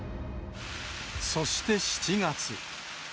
そして７月。